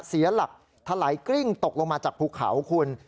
เสียหลักถลายกริ้งตกลงมาจากภูเขาคุณ